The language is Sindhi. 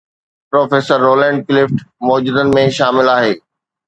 پروفيسر رولينڊ ڪلفٽ موجدن ۾ شامل آهي.